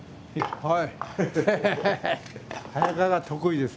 はい。